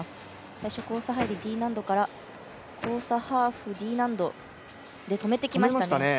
最初交差入り、Ｄ難度から交差ハーフＤ難度で止めてきました